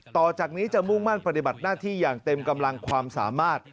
ต่อจากนี้จะมุ่งมั่นปฏิบัติหน้าที่อย่างเต็มกำลังความสามารถ